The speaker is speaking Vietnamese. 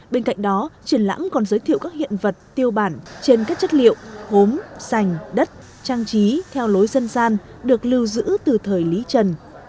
bên cạnh đó triển lãm còn giới thiệu các hiện vật tiêu bản trên các chất liệu hốm sành đất trang trí theo lối dân gian được lưu giữ từ thời lý trần